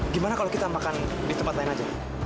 gimana kalau kita makan di tempat lain aja